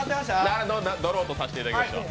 ドローとさせていただきましょう。